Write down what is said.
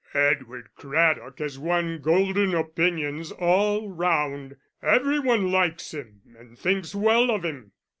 "Edward Craddock has won golden opinions all round. Every one likes him, and thinks well of him.